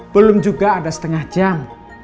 belum juga ada setengah jam